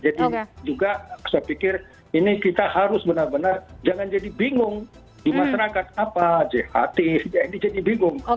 jadi juga saya pikir ini kita harus benar benar jangan jadi bingung di masyarakat apa jahat ini jadi bingung